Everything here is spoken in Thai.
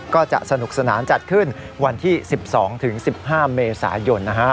ก็จะสนุกสนานจัดขึ้นวันที่๑๒๑๕เมษายน